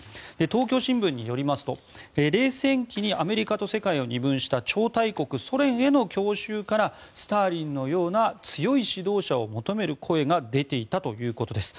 東京新聞によりますと、冷戦期にアメリカと世界を二分した超大国ソ連への郷愁からスターリンのような強い指導者を求める声が出ていたということです。